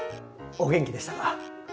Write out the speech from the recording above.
お元気でしたか？